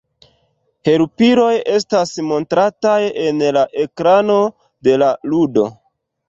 Helpiloj estas montrataj en la ekrano de la ludo.